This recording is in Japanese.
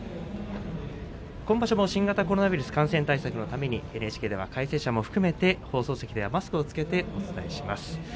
今場所も新型コロナウイルス感染対策のためにＮＨＫでは解説者も含めて放送席ではマスクを着けてお伝えします。